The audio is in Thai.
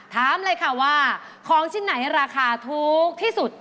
ถามเลยค่ะว่าของชิ้นไหนราคาถูกที่สุด